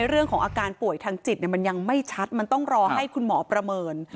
เรื่องของอาการป่วยทางจิตมันยังไม่ชัดมันต้องรอให้คุณหมอประเมิน